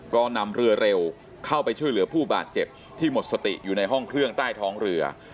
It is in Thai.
ก็นำเรือเร็วเข้าไปช่วยเหลือผู้บาดเจ็บที่หมดสติอยู่ในห้องเครื่องใต้ท้องเรือ